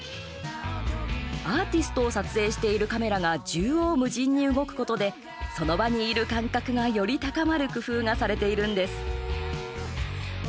アーティストを撮影しているカメラが縦横無尽に動くことでその場にいる感覚が、より高まる工夫がされているんです。